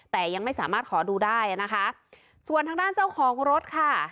แต่ยังไม่สามารถขอดูได้นะคะส่วนทางด้านเจ้าของรถค่ะ